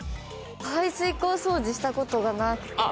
排水口掃除したことがなくて。